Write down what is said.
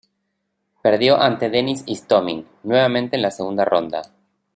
Perdió ante Denis Istomin, nuevamente en la segunda ronda.